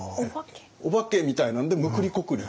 お化けみたいなんでむくりこくり。